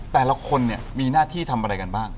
แต่ละคนเนี่ยมีหน้าที่ทำอะไรกันบ้าง